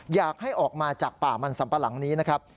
อยากให้ออกมาจากป่ามันสัมปะหลังนี้นะครับ